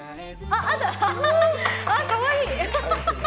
かわいい！